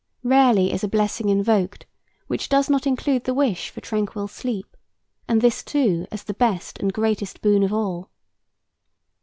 Rarely is a blessing invoked which does not include the wish for tranquil sleep; and this, too, as the best and greatest boon of all.